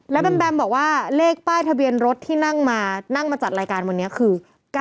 แล้วแบมแบมบอกว่าเลขป้ายทะเบียนรถที่นั่งมานั่งมาจัดรายการวันนี้คือ๙๙